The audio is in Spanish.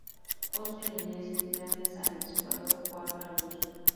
Os Belenenses, gracias al ex-jugador João Cardoso.